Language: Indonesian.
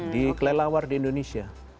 di kelelawar di indonesia